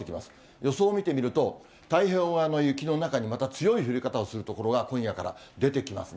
予想を見てみると、太平洋側の雪の中に、また強い降り方をする所が今夜から出てきますね。